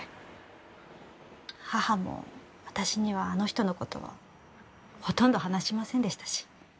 母も私にはあの人の事はほとんど話しませんでしたし。